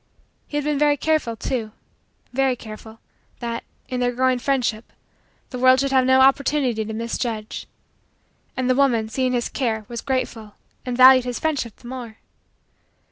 He had been very careful, too very careful that, in their growing friendship, the world should have no opportunity to misjudge. And the woman, seeing his care, was grateful and valued his friendship the more.